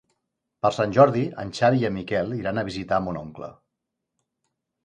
Per Sant Jordi en Xavi i en Miquel iran a visitar mon oncle.